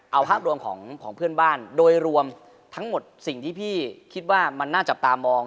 เอาภาพรวมของเพื่อนบ้านโดยรวมทั้งหมดสิ่งที่พี่คิดว่ามันน่าจับตามอง